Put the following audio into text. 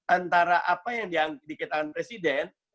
antara apa yang dikatakan presiden